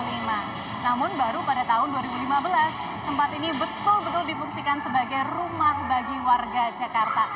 namun baru pada tahun dua ribu lima belas tempat ini betul betul difungsikan sebagai rumah bagi warga jakarta